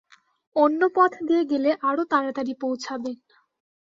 অন্য পথ দিয়ে গেলে আরও তাড়াতাড়ি পৌঁছাবেন।